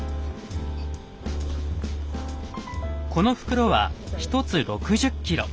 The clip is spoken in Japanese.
この袋は１つ６０ｋｇ。